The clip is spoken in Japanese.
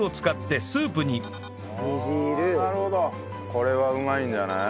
これはうまいんじゃない？